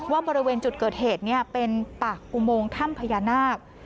บริเวณจุดเกิดเหตุเป็นปากอุโมงถ้ำพญานาค